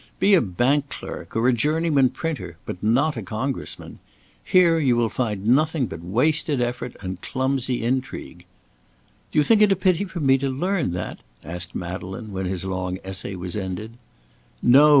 Be a bank clerk, or a journeyman printer, but not a Congressman. Here you will find nothing but wasted effort and clumsy intrigue." "Do you think it a pity for me to learn that?" asked Madeleine when his long essay was ended. "No!"